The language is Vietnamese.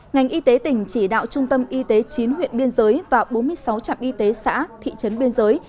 ngành y tế tỉnh chỉ đạo trung tâm y tế chín huyện biên giới và bốn mươi sáu trạm y tế xã thị trấn biên giới